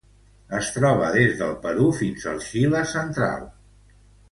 Es troba des del Perú fins al Xile central.